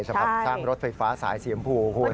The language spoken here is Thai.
ใช่ครับสร้างรถไฟฟ้าสายเสียงภู